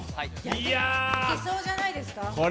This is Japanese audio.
いけそうじゃないですか？